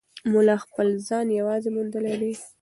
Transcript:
ملا خپل ځان یوازې موندلی دی.